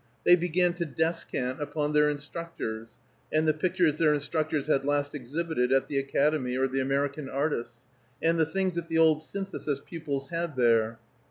They began to descant upon their instructors, and the pictures their instructors had last exhibited at the Academy or the American Artists; and the things that the old Synthesis pupils had there.